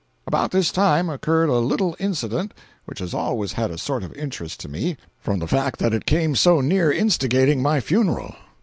About this time occurred a little incident which has always had a sort of interest to me, from the fact that it came so near "instigating" my funeral.